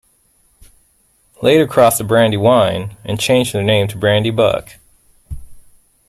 Later crossed the Brandywine and changed their name to Brandybuck.